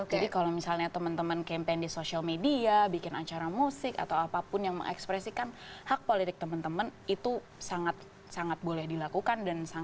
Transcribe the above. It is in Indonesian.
jadi kalau misalnya teman teman campaign di social media bikin acara musik atau apapun yang mengekspresikan hak politik teman teman itu sangat sangat boleh dilakukan